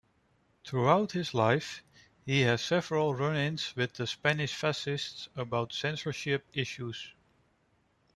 Throughout his life, he had several run-ins with Spanish fascists around censorship issues.